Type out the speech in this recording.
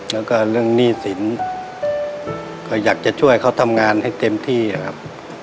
แล้วก็เรื่องหนี้สินก็อยากจะช่วยเขาทำงานให้เต็มที่ครับ